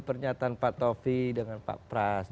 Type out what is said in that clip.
pernyataan pak taufik dengan pak pras